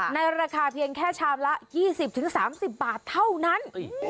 ในราคาเพียงแค่ชามละ๒๐๓๐บาทเท่านั้น